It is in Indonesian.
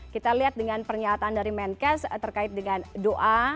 kita lihat dengan pernyataan dari menkes terkait dengan doa